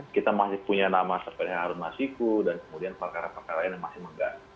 kita masih punya nama seperti harun masiku dan kemudian perkara perkaranya yang masih mengganti